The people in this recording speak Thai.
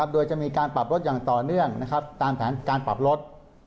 โดยจะมีการปรับลดอย่างต่อเนื่องตามแผนการปรับลด